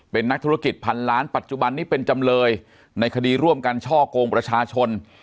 เป็นนักธุรกิจพันล้านปัจจุบันนี้เป็นจำเลยในคดีร่วมกันช่อกงประชาชน